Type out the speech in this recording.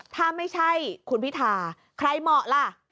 ถ้าไม่ใช่คุณพิธาใครเหมาะล่ะ